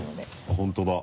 本当だ。